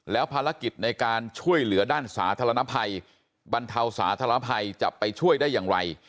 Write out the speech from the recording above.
แล้วภารกิจในการช่วยเหลือด้านสาธารณภัยบรรเทาสาธารณภัยจะไปช่วยได้อย่างไร